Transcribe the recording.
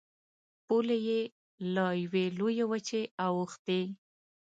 پولې یې له یوې لویې وچې اوښتې.